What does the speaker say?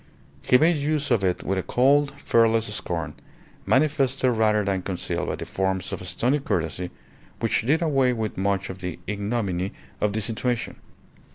He made use of it with a cold, fearless scorn, manifested rather than concealed by the forms of stony courtesy which did away with much of the ignominy of the situation.